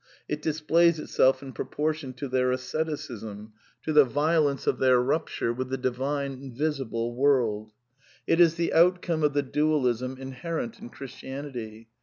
It displays itself in proportion to their "V asceticism, to the violence of their rupture with the divine^'''"^ > visible world. It is the outcome of the dualism inherent in Christianity.